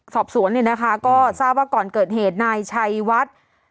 สอบสวนเนี่ยนะคะก็ทราบว่าก่อนเกิดเหตุนายชัยวัด